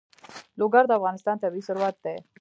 لوگر د افغانستان طبعي ثروت دی.